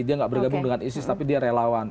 dia nggak bergabung dengan isis tapi dia relawan